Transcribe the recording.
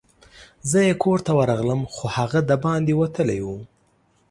زه یې کور ته ورغلم، خو هغه دباندي وتلی وو.